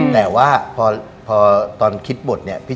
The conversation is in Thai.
แต่ว่าพอตอนคิดบท